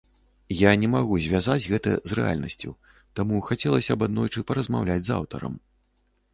Я не магу звязаць гэта з рэальнасцю, таму хацелася б аднойчы паразмаўляць з аўтарам.